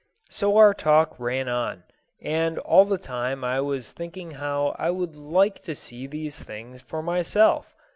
So our talk ran on, and all the time I was thinking how I would like to see these things for myself.